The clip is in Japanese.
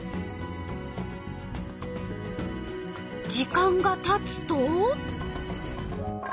時間がたつと。